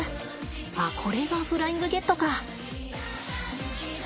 ああこれがフライングゲットか。